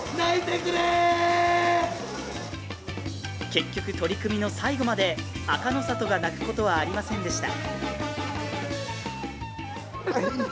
結局取組の最後まで、朱ノ里が泣くことはありませんでした。